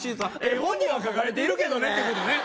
絵本には描かれているけどね